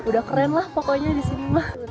udah keren lah pokoknya di sini mah